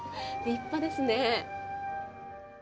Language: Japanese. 立派ですね。